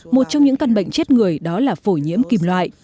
một trong những căn bệnh chết người đó là phổi nhiễm kim loại